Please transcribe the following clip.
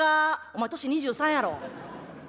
「お前年２３やろ。